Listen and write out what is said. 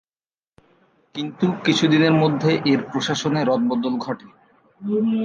কিন্তু কিছুদিনের মধ্যে এর প্রশাসনে রদবদল ঘটে।